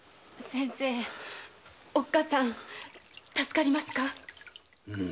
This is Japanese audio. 先生おっかさん助かりますか？